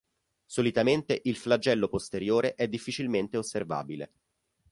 Solitamente il flagello posteriore è difficilmente osservabile.